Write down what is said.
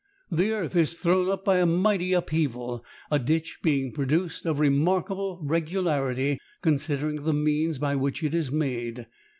The earth is thrown up by a mighty upheaval, a ditch being produced of remarkable regularity considering the means by which it is made.